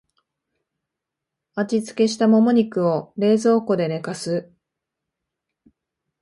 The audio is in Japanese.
味付けしたモモ肉を冷蔵庫で寝かす